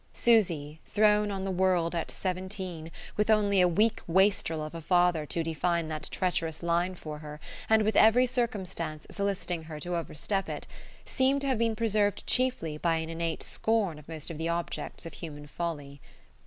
Susy, thrown on the world at seventeen, with only a weak wastrel of a father to define that treacherous line for her, and with every circumstance soliciting her to overstep it, seemed to have been preserved chiefly by an innate scorn of most of the objects of human folly.